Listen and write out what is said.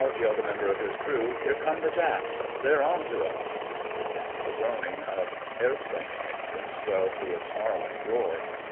yelled a member of his crew. "Here come the Japs—they're on to us!" The droning of airplane engines swelled to a snarling roar.